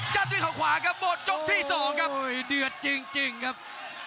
จัดด้วยข่าวขวาครับโบสถ์จงที่สองครับโอ้โหเดือดจริงจริงครับ